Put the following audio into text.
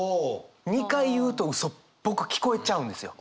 ２回言うとうそっぽく聞こえちゃうんですよ。